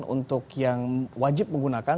untuk yang wajib menggunakan